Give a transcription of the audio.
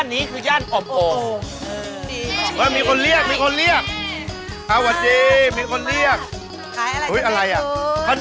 อันนี้หมถิ่มไก่อบโกบิด้วยอมใช่ไหมน่ะจั๊ะ